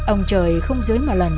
ông trời không dưới một lần